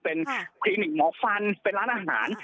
เป็นคลินิกหมอฟันเป็นร้านอาหาร